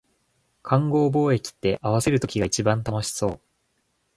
勘合貿易って、合わせる時が一番楽しそう